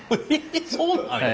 そうなんや。